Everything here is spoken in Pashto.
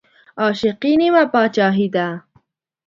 عاشقي نيمه باچاهي ده